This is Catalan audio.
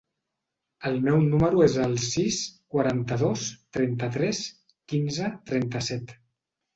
El meu número es el sis, quaranta-dos, trenta-tres, quinze, trenta-set.